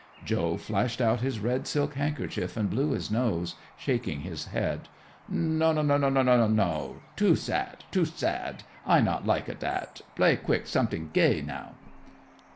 _" Joe flashed out his red silk handkerchief and blew his nose, shaking his head. "No no no no no no no! Too sad, too sad! I not like a dat. Play quick somet'ing gay now."